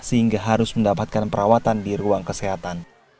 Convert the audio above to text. sehingga harus mendapatkan perawatan di ruang kesehatan